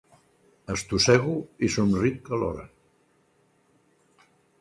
Estossego i somric alhora.